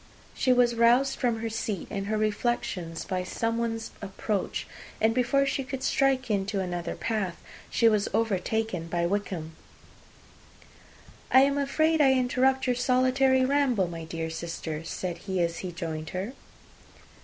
She was roused from her seat and her reflections, by someone's approach; and, before she could strike into another path, she was overtaken by Wickham. "I am afraid I interrupt your solitary ramble, my dear sister?" said he, as he joined her.